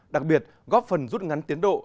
đặc biệt góp phần rút ngắn tiến độ